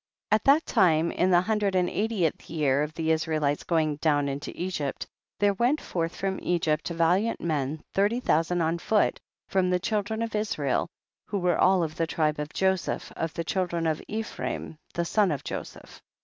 1. At that time, in the hundred and eightieth year of the Israelites going down into Egypt, there went forth from Egypt valiant men, thirty thousand on foot, from the children of Israel, who were all of the tribe of Joseph, of the children of Ephraim the son of Joseph.